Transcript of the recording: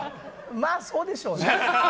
まあ、そうでしょうね。